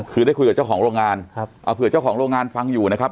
คือได้คุยกับเจ้าของโรงงานครับเอาเผื่อเจ้าของโรงงานฟังอยู่นะครับ